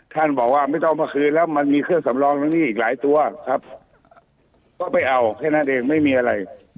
ท่านบอกว่าไม่ต้องเอามาคืนแล้วมันมีเครื่องสำรองทั้งนี้อีกหลายตัวครับก็ไปเอาแค่นั้นเองไม่มีอะไร